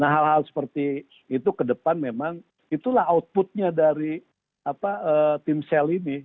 hal hal seperti itu kedepan memang itulah outputnya dari tim sel ini